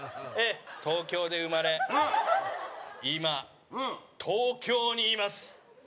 東京で生まれ、今、東京にいます。